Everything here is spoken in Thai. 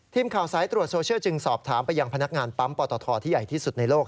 ทีมข่าวสายตรวจโซเชียลจึงสอบถามไปยังพนักงานปั๊มปตทที่ใหญ่ที่สุดในโลก